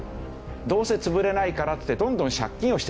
どうせ潰れないからってどんどん借金をしてたんですね。